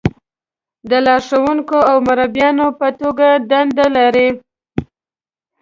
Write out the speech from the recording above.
د لارښونکو او مربیانو په توګه دنده لري.